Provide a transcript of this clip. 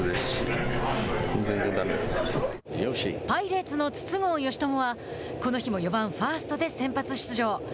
パイレーツの筒香嘉智はこの日も４番ファーストで先発出場。